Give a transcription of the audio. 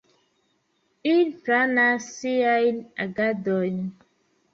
Ili planas siajn agadojn.